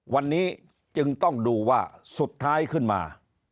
วันนี้จึงต้องดูว่าสุดท้ายขึ้นมา